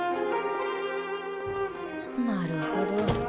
なるほど。